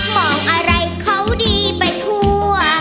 มองอะไรเขาดีไปทั่ว